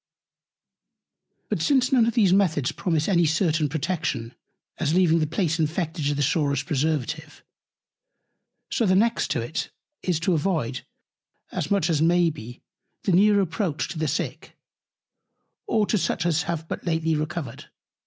But since none of these Methods promise any certain Protection; as leaving the Place infected is the surest Preservative, so the next to it, is to avoid, as much as may be, the near Approach to the Sick, or to such as have but lately Recovered.